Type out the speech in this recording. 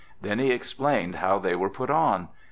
Then he explained how they were put on.